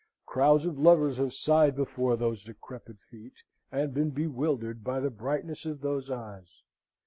Crowds of lovers have sighed before those decrepit feet, and been bewildered by the brightness of those eyes."